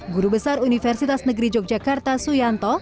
guru besar universitas negeri yogyakarta suyanto